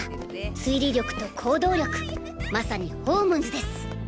推理力と行動力まさにホームズです。